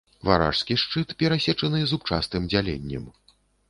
Варажскі шчыт перасечаны зубчастым дзяленнем.